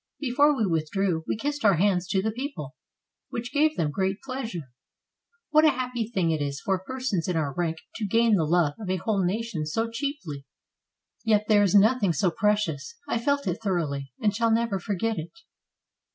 Before we withdrew we kissed our hands to the people, which gave them great pleasure. What a happy thing it is for persons in our rank to gain the love of a whole nation so cheaply. Yet there is nothing so precious; I felt it thoroughly, and shall never forget it.